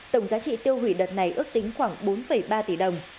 tổng giá trị tiêu hủy đợt này ước tính khoảng bốn ba tỷ đồng